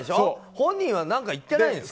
本人は何か言ってないんですか？